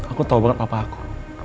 aku tahu banget papa aku